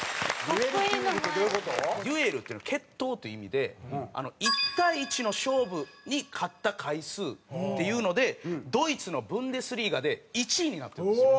デュエルっていうのは決闘という意味で１対１の勝負に勝った回数っていうのでドイツのブンデスリーガで１位になったんですよ。